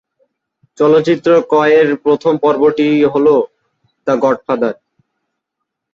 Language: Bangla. চলচ্চিত্র ত্রয় এর প্রথম পর্বটি হল, দ্য গডফাদার।